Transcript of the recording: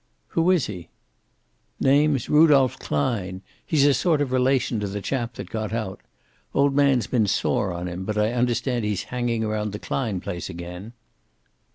"Who is he?" "Name's Rudolph Klein. He's a sort of relation to the chap that got out. Old man's been sore on him, but I understand he's hanging around the Klein place again."